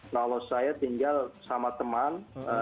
lolos saya tinggal sama teman